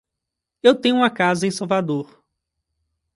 Eu tenho uma casa em Salvador.